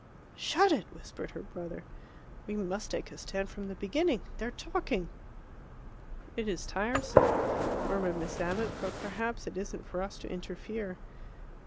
"Shut it," whispered her brother. "We must make a stand from the beginning. They're talking." "It is tiresome," murmured Miss Abbott; "but perhaps it isn't for us to interfere."